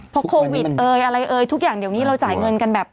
เพราะโควิดเอ่ยอะไรเอ่ยทุกอย่างเดี๋ยวนี้เราจ่ายเงินกันแบบ